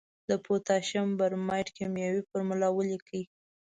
د پوتاشیم برماید کیمیاوي فورمول ولیکئ.